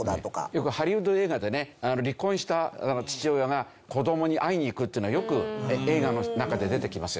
よくハリウッド映画でね離婚した父親が子どもに会いに行くっていうのはよく映画の中で出てきますよね。